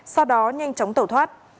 sau đó nhanh chóng tẩu thoát